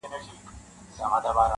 یو لرګی به یې لا هم کړ ور دننه-